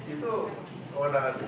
itu kewenangan dpp